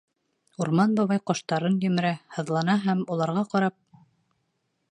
Урман бабай ҡаштарын емерә, һыҙлана һәм, уларға ҡарап: